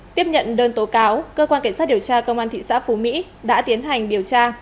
tiếp nhận đơn tố cáo cơ quan cảnh sát điều tra công an thị xã phú mỹ đã tiến hành điều tra